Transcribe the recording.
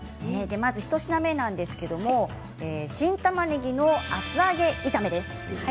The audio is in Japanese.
１品目なんですけれども新たまねぎの厚揚げ炒めです。